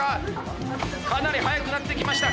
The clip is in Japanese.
かなり速くなってきました。